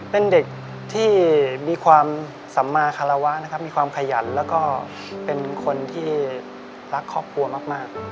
เป็นเด็กที่มีความสัมมาคาราวะนะครับมีความขยันแล้วก็เป็นคนที่รักครอบครัวมาก